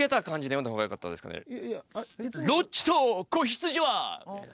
「ロッチと子羊」は！みたいな。